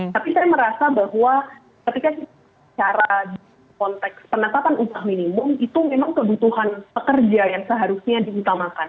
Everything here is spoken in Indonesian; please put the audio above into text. tapi saya merasa bahwa ketika kita bicara di konteks penetapan upah minimum itu memang kebutuhan pekerja yang seharusnya diutamakan